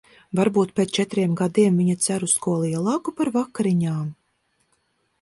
Varbūt pēc četriem gadiem viņa cer uz ko lielāku par vakariņām?